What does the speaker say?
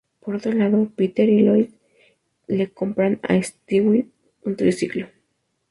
Por otro lado, Peter y Lois le compran a Stewie un triciclo.